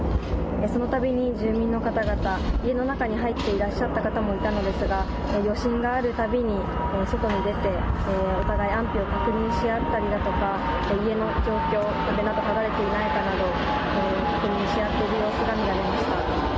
そのたびに住民の方々、家の中に入っていらっしゃった方々もいたのですが、余震があるたびに外に出て、お互い安否を確認し合ったりだとか、家の状況、壁が壊れていないかなど、確認し合っている様子が見られました。